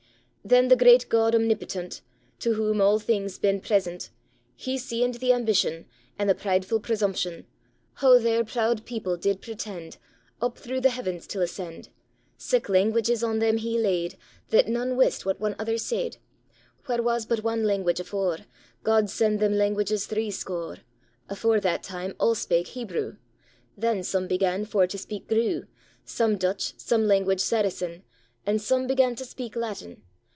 Then the great God omnipotent, To whom all things been present, He seeand the ambition, And the prideful presumption, How their proud people did pretend. Up through the heavens till ascend. Sic languages on them he laid, That nane wist what ane other said; Where was but ane language afore, God send them languages three score; Afore that time all spak Hebrew, Then some began for to speak Grew, Some Dutch, some language Saracen, And some began to speak Latin.